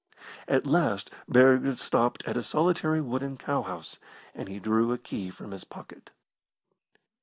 At last Burger stopped at a solitary wooden cowhouse, and he drew a key from his pocket.